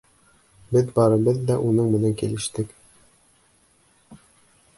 Беҙ барыбыҙ ҙа уның менән килештек.